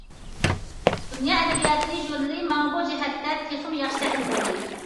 ‹‹ دۇنيا ئەدەبىياتى›› ژۇرنىلى ماڭا بۇ جەھەتتە تېخىمۇ ياخشى سەھنە بولدى.